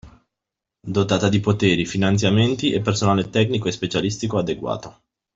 Dotata di poteri, finanziamenti e personale tecnico e specialistico adeguato